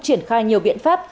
triển khai nhiều biện pháp